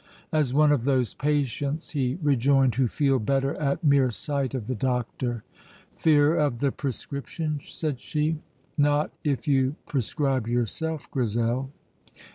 "As one of those patients," he rejoined, "who feel better at mere sight of the doctor." "Fear of the prescription?" said she. "Not if you prescribe yourself, Grizel."